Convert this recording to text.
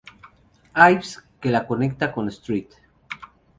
Ives, que la conecta con St.